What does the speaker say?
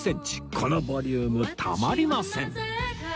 このボリュームたまりません